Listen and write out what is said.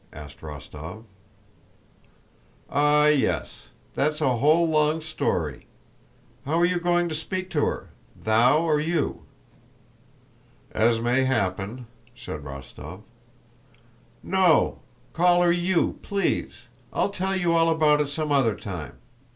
asked Rostóv. "Ah, yes! That's a whole long story! How are you going to speak to her—thou or you?" "As may happen," said Rostóv. "No, call her you, please! I'll tell you all about it some other time.